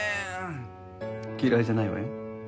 嫌いじゃないわよ。